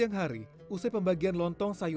siang hari usai pembagian lontong sayur